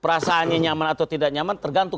perasaannya nyaman atau tidak nyaman tergantung